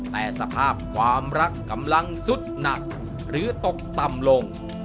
แต่สภาพความรักกำลังสุดหนักหรือตกต่ำลง